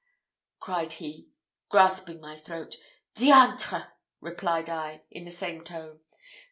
_' cried he, grasping my throat. 'Diantre!' replied I, in the same tone.